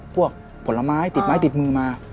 ผลไม้ติดไม้ติดมือมา